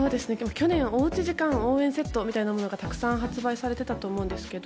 去年、おうち時間応援セットみたいなものがたくさん発売されていたと思うんですけど。